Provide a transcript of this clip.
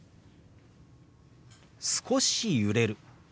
「少し揺れる」。